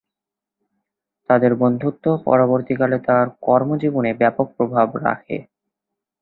তাদের বন্ধুত্ব পরবর্তীকালে তার কর্মজীবনে ব্যাপক প্রভাব রাখে।